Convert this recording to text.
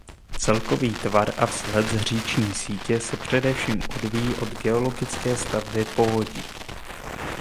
Celkový tvar a vzhled říční sítě se především odvíjí od geologické stavby povodí.